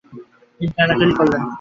তিনি ঠেলাঠেলি করলেন।